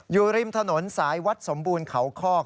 อยู่ริมถนนสายวัดสมบูรณ์เขาคอก